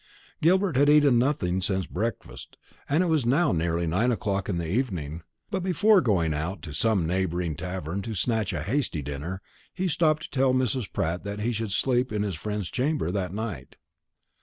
Gilbert had eaten nothing since breakfast, and it was now nearly nine o'clock in the evening; but before going out to some neighbouring tavern to snatch a hasty dinner, he stopped to tell Mrs. Pratt that he should sleep in his friend's chamber that night.